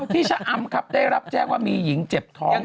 ชะอำครับได้รับแจ้งว่ามีหญิงเจ็บท้อง